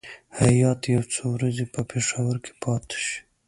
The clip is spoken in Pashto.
هیات یو څو ورځې په پېښور کې پاتې شي.